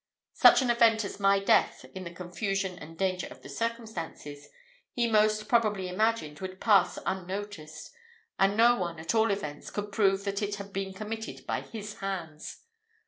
Such an event as my death, in the confusion and danger of the circumstances, he most probably imagined, would pass unnoticed; and no one, at all events, could prove that it had been committed by his hands.